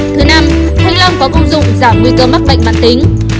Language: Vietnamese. giảm nguy cơ mắc bệnh mặt tính